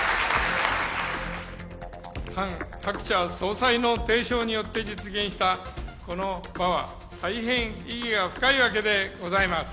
ハン・ハクチャ総裁の提唱によって実現したこの場は、大変意義が深いわけでございます。